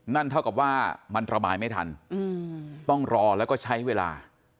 นั่นเท่ากับว่ามันระบายไม่ทันต้องรอแล้วก็ใช้เวลา